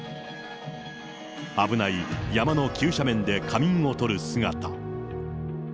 危ない山の急斜面で仮眠をとる姿。